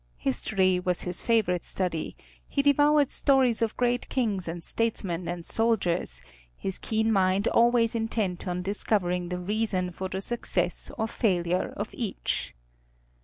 History was his favorite study; he devoured stories of great kings and statesmen and soldiers, his keen mind always intent on discovering the reason for the success or failure of each.